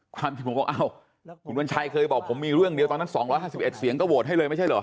ความที่ผมบอกอ้าวคุณวัญชัยเคยบอกผมมีเรื่องเดียวตอนนั้น๒๕๑เสียงก็โหวตให้เลยไม่ใช่เหรอ